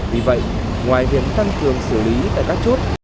vì vậy ngoài việc tăng cường xử lý tại các chốt